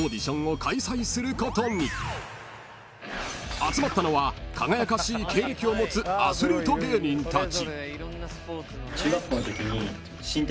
［集まったのは輝かしい経歴を持つアスリート芸人たち］